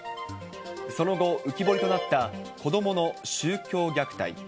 その後、浮き彫りとなった子どもの宗教虐待。